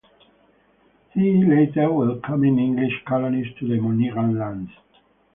He later welcomed English colonists to the Mohegan lands.